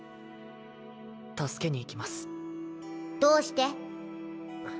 助けに行きますどうして？